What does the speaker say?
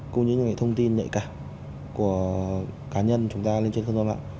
cũng như những thông tin nhạy cảm của cá nhân chúng ta lên trên khuôn mặt